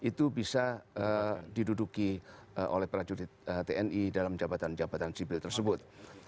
itu bisa diduduki oleh prajurit tni dalam jabatan jabatan sipil tersebut